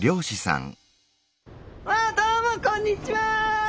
どうもこんにちは！